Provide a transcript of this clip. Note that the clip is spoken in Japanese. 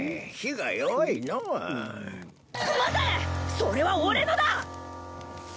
それは俺のだ！